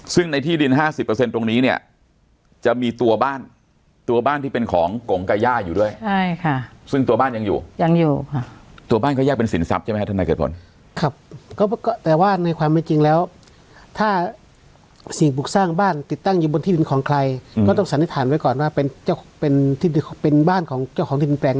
ซึ่งในที่ดิน๕๐ตรงนี้เนี่ยจะมีตัวบ้านตัวบ้านที่เป็นของกงกาย่าอยู่ด้วยใช่ค่ะซึ่งตัวบ้านยังอยู่ยังอยู่ค่ะตัวบ้านก็ยากเป็นสินทรัพย์ใช่ไหมฮะท่านนายเกิดผลครับแต่ว่าในความจริงแล้วถ้าสิ่งปลูกสร้างบ้านติดตั้งอยู่บนที่ดินของใครก็ต้องสันนิษฐานไว้ก่อนว่าเป็นบ้านของเจ้าของดิน